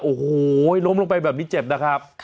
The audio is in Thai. โอ้โหล้มลงไปแบบนี้เจ็บนะครับ